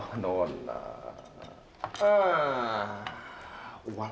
oh no nah ah uang